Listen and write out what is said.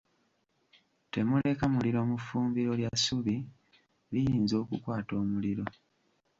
Temuleka muliro mu ffumbiro lya ssubi liyinza okukwata omuliro.